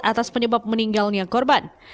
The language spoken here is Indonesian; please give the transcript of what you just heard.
atas penyebab meninggalnya korban